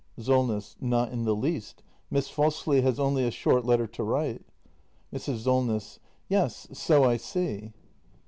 Solness. Not in the least. Miss Fosli has only a short letter to write. Mrs. Solness. Yes, so I see.